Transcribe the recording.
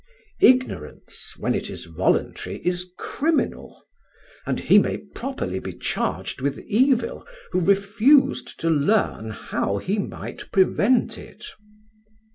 Ignorance, when it is voluntary, is criminal; and he may properly be charged with evil who refused to learn how he might prevent it.